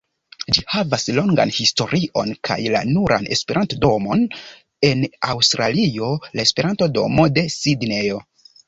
Ĝi havas longan historion kaj la nuran Esperanto-domon en Aŭstralio: la Esperanto-domo de Sidnejo.